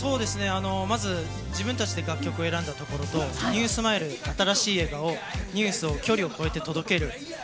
まず自分たちで楽曲を選んだところとＮＥＷＳｍｉｌｅ、新しい笑顔ニュースを距離を越えて届ける。